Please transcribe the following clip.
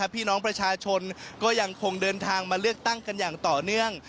พี่น้องประชาชนก็ยังคงเดินทางมาเลือกตั้งกันอย่างต่อเนื่อง